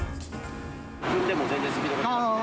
踏んでも全然スピードが出なくて。